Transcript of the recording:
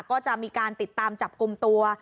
ก็จะมีการติดตามจับกลุ่มตัว